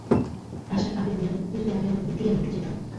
আসার আগে বললেন, তুই যদি আগে আমায় বলতি, আমি একটু যেতাম।